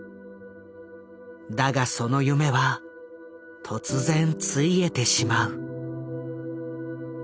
だがその夢は突然ついえてしまう。